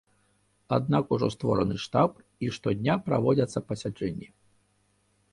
Аднак ужо створаны штаб і штодня праводзяцца пасяджэнні.